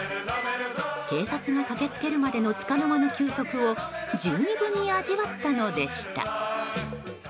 警察が駆け付けるまでのつかの間の休息を十二分に味わったのでした。